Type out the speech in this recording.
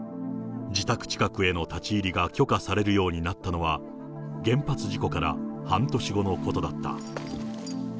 自宅近くへの立ち入りが許可されるようになったのは、原発事故から半年後のことだった。